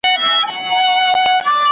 انسان د کاله خوښ ښه دئ، نه د مېلمانه.